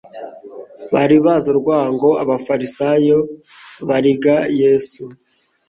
Bari bazi urwango abafarisayo bariga Yesu,